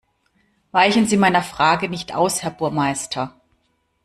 Weichen Sie meiner Frage nicht aus, Herr Burmeister!